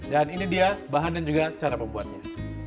dan ini dia bahan dan juga cara pembuatnya